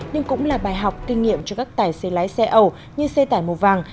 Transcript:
nhưng cũng là bài học kinh nghiệm cho các tài xế lái xe ẩu như xe tải màu vàng